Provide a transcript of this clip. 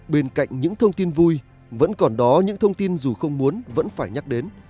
bên cạnh những thông tin vui vẫn còn đó những thông tin dù không muốn vẫn phải nhắc đến